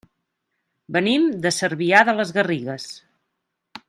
Venim de Cervià de les Garrigues.